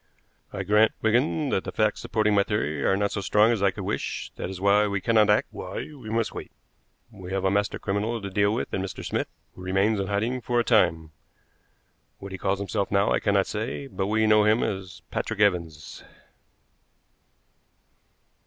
"I grant, Wigan, that the facts supporting my theory are not so strong as I could wish; that is why we cannot act, why we must wait. We have a master criminal to deal with in Mr. Smith, who remains in hiding for a time. What he calls himself now I cannot say, but we know him as Patrick Evans."